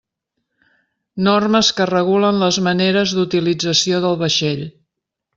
Normes que regulen les maneres d'utilització del vaixell.